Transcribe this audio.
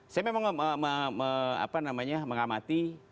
saya memang mengamati